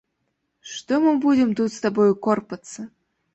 Што мы будзем тут з табою корпацца.